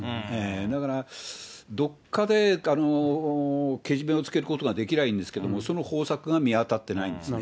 だから、どっかでけじめをつけることができればいいんですけど、その方策が見当たってないんです